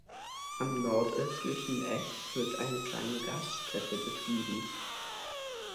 Am nordöstlichen Eck wird eine kleine Gaststätte betrieben.